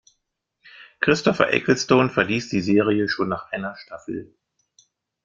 Christopher Eccleston verließ die Serie schon nach einer Staffel.